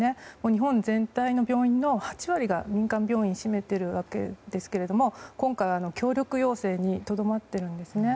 日本全体の病院の８割を民間病院が占めているわけですが今回は協力要請にとどまっているんですね。